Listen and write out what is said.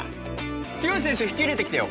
強い選手引き入れてきてよ